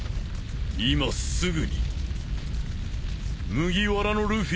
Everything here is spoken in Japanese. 今すぐに麦わらのルフィを消せと。